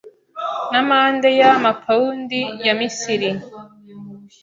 N’amande ya amapawundi ya Misiri